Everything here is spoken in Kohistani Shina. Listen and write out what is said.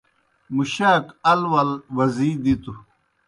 مُشاک ال ول وزی دِتوْ۔